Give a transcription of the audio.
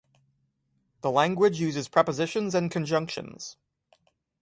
The language uses prepositions and conjunctions.